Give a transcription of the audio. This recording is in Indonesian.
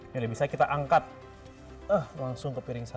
jadi bisa kita angkat langsung ke piring saji